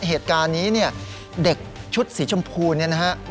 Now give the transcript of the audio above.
เหตุการณ์นี้เด็กชุดสีชมพูนี่นะครับ